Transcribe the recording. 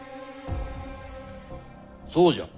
そうじゃ。